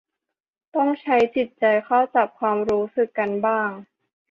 ต้องใช้จิตใจเข้าจับความรู้สึกกันบ้าง